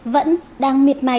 vẫn đang miệt mài